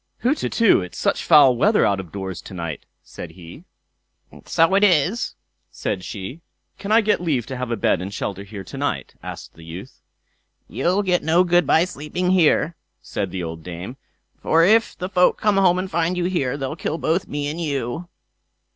"Hutetu! it's such foul weather out of doors to night", said he. "So it is", said she. "Can I get leave to have a bed and shelter here to night?" asked the youth. "You'll get no good by sleeping here", said the old dame; "for if the folk come home and find you here, they'll kill both me and you."